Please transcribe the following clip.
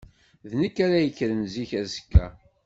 D nekk ara d-yekkren zik azekka.